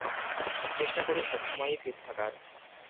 চেষ্টা করি সব সময়ই ফিট থাকার।